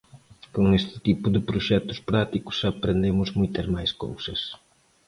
Con este tipo de proxectos prácticos aprendemos moitas máis cousas.